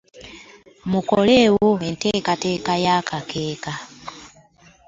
Mukoleewo enteekateeka y’akakeeka.